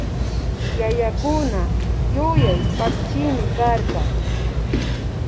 Yayakuna yuyay pakchimi karka